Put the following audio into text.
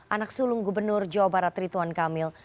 anak sulung gubernur jawa barat rituan kamil